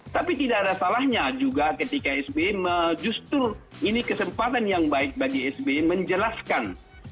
tapi tidak ada salahnya juga ketika sby justru ini kesempatan yang baik bagi sby menjelaskan